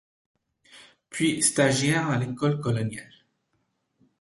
Puis stagiaire à l'École Coloniale.